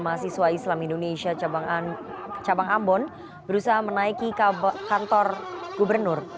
mahasiswa islam indonesia cabang ambon berusaha menaiki kantor gubernur